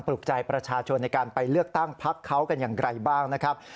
ลูกใจประชาชนในการไปเลือกตั้งพักเขากันอย่างไรบ้างนะครับ